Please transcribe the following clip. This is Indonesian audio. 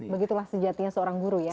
begitulah sejatinya seorang guru ya